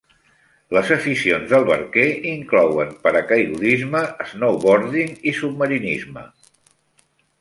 Les aficions del barquer inclouen paracaigudisme, snowboarding i submarinisme.